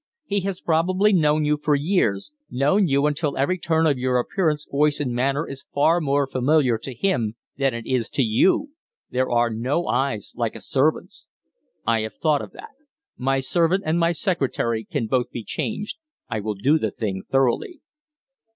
He has probably known you for years known you until every turn of your appearance, voice, and manner is far more familiar to him than it is to you. There are no eyes like a servant's." "I have thought of that. My servant and my secretary can both be changed. I will do the thing thoroughly."